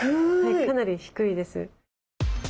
かなり低いです。